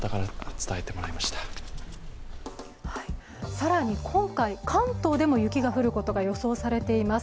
更に今回、関東でも雪が降ることが予想されています。